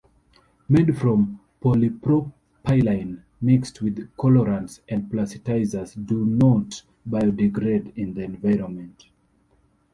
Made from polypropylene, mixed with colorants and plasticizers, do not biodegrade in the environment.